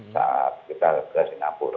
saat kita ke singapura